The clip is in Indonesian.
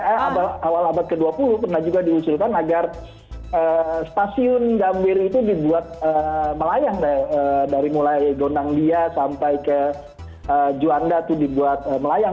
awal abad ke dua puluh pernah juga diusulkan agar stasiun gambir itu dibuat melayang dari mulai gondang dia sampai ke juanda itu dibuat melayang